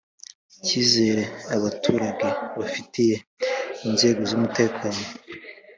Icyizere abaturage bafitiye inzego z umutekano